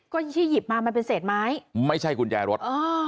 ก็ที่หยิบมามันเป็นเศษไม้ไม่ใช่กุญแจรถอ๋อ